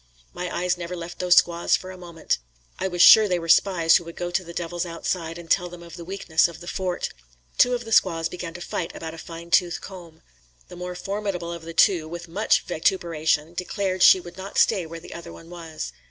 My eyes never left those squaws for a moment. I was sure they were spies who would go to the devils outside and tell them of the weakness of the fort. Two of the squaws began to fight about a fine tooth comb. The more formidable of the two, with much vituperation, declared she would not stay where the other one was.